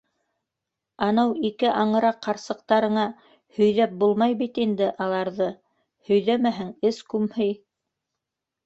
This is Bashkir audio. Анау ике аңра ҡарсыҡтарыңа һөйҙәп булмай бит инде аларҙы! һөйҙәмәһәң, эс күмһей.